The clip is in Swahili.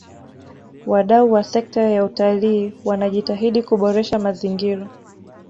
wadau wa sekta ya utalii wanajitahidi kuboresha mazingira